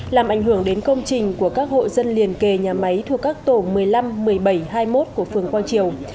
làm ảnh hưởng đến công trình của các hộ dân liền kề nhà máy thuộc các tổ một mươi năm một mươi bảy hai mươi một của phường quang triều